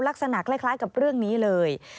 ลักษณะคล้ายกับเรื่องนี้เลย